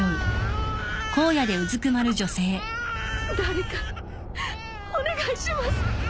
誰かお願いします。